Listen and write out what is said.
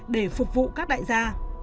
để phục vụ các đại gia